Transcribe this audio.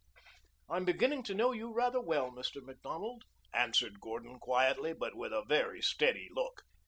"I'm beginning to know you rather well, Mr. Macdonald," answered Gordon quietly, but with a very steady look.